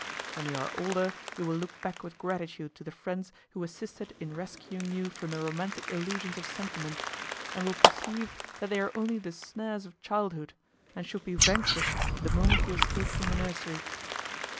When you are older you will look back with gratitude to the friends who assisted in rescuing you from the romantic illusions of sentiment, and will perceive, that they are only the snares of childhood, and should be vanquished the moment you escape from the nursery.